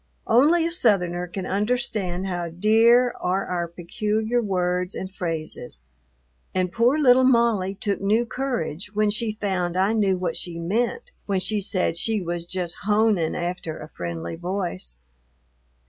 Only a Southerner can understand how dear are our peculiar words and phrases, and poor little Molly took new courage when she found I knew what she meant when she said she was just "honin'" after a friendly voice.